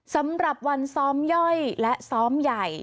สำหรับวันซ้อมย่อยและซ้อมใหญ่